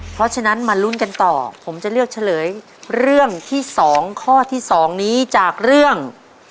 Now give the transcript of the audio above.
เพราะฉะนั้นมาลุ้นกันต่อผมจะเลือกเฉลยเรื่องที่๒ข้อที่๒นี้จากเรื่อง